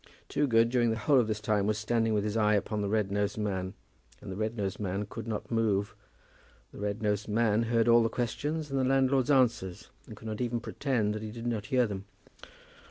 Toogood during the whole of this time was standing with his eye upon the red nosed man, and the red nosed man could not move. The red nosed man heard all the questions and the landlord's answers, and could not even pretend that he did not hear them.